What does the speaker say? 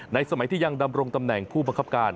สมัยที่ยังดำรงตำแหน่งผู้บังคับการ